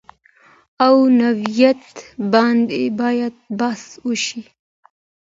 او نوعیت باندې باید بحث وشي